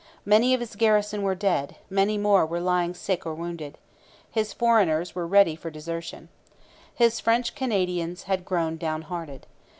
Many of his garrison were dead, many more were lying sick or wounded. His foreigners were ready for desertion. His French Canadians had grown down hearted.